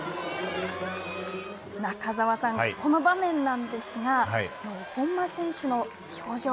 中澤さん、この場面なんですが本間選手の表情